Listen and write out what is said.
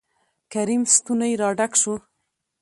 کريم ستونى را ډک شو.